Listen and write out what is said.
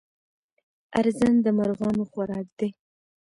ارزن د مرغانو خوراک دی.